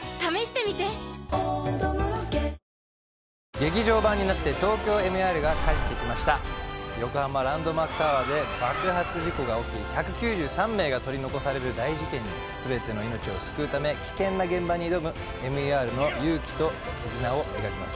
劇場版になって「ＴＯＫＹＯＭＥＲ」が帰ってきました横浜・ランドマークタワーで爆発事故が起き１９３名が取り残される大事件にすべての命を救うため危険な現場に挑むＭＥＲの勇気と絆を描きます